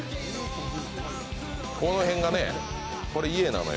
この辺がね、これ家なのよ。